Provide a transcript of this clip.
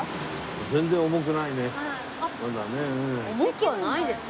全然重くないね。